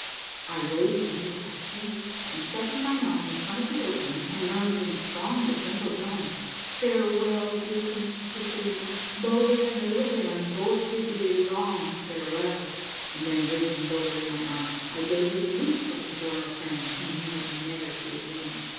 I waited until it had ceased, and setting my mouth in front of the opening I murmured in strong but gentle tones, —" Farewell, dear Princess Crystallina. Bulger and the little baron both bid thee a long farewell !" and then raising Bulger in my arms, I bade him weep for his royal friend whom he would never see again.